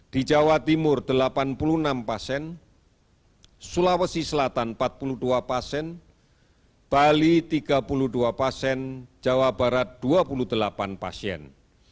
di jawa timur delapan puluh enam pasien sulawesi selatan empat puluh dua pasien bali tiga puluh dua pasien jawa barat dua puluh delapan pasien